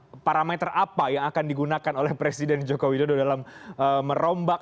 apakah ya parameter apa yang akan digunakan oleh presiden jokowi sudah dalam merombak